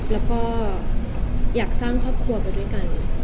แล้วก็อยากสร้างครอบครัวไปด้วยกัน